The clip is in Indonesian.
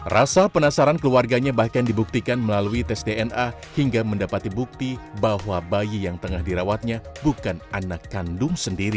rasa penasaran keluarganya bahkan dibuktikan melalui tes dna hingga mendapati bukti bahwa bayi yang tengah dirawatnya bukan anak kandung sendiri